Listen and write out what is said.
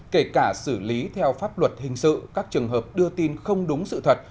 kể cả xử lý theo pháp luật hình sự các trường hợp đưa tin không đúng sự thật